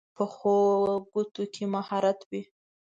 پخو ګوتو کې مهارت وي